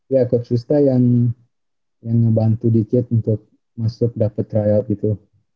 ya coach yusta yang ngebantu dikit untuk masuk dapat tryout gitu